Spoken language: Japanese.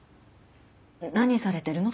何されてるの？